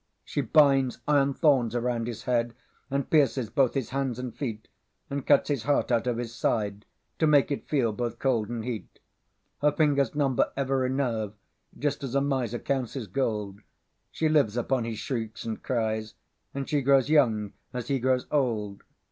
She binds iron thorns around his head, She pierces both his hands and feet, She cuts his heart out at his side, To make it feel both cold and heat. Her fingers number every nerve, Just as a miser counts his gold; She lives upon his shrieks and cries, And she grows young as he grows old.